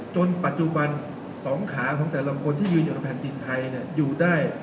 จนปัจจุบัน๒ขาของแต่ละคนที่ยืนอยู่กับแผ่นดินไทยอยู่ได้